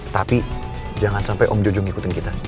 tapi jangan sampai om jojo ngikutin kita